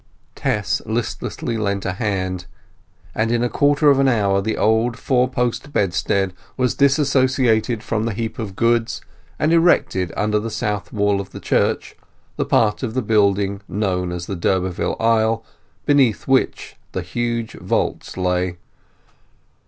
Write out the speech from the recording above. Tess listlessly lent a hand, and in a quarter of an hour the old four post bedstead was dissociated from the heap of goods, and erected under the south wall of the church, the part of the building known as the d'Urberville Aisle, beneath which the huge vaults lay.